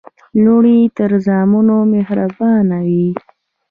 لوڼي تر زامنو مهربانه وي.